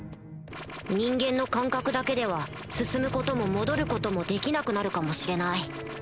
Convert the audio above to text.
人間の感覚だけでは進むことも戻ることもできなくなるかもしれない